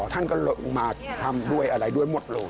ท่านก็ลงมาทำด้วยอะไรด้วยหมดเลย